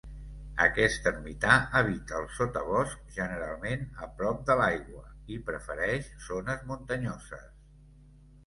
Aquest ermità habita el sotabosc, generalment a prop de l'aigua, i prefereix zones muntanyoses.